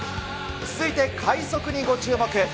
続いて快足にご注目。